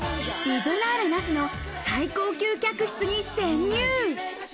リゾナーレ那須の最高級客室に潜入。